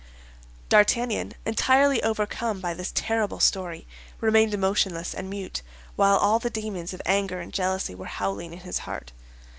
D'Artagnan, entirely overcome by this terrible story, remained motionless and mute, while all the demons of anger and jealousy were howling in his heart.